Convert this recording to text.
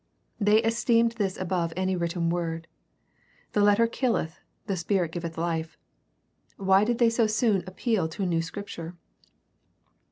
They esteemed this above any written word. "The letter killeth, the spirit giveth life." Why did they so soon appeal to a new Scripture